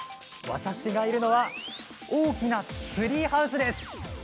私がいるのは大きなツリーハウスです。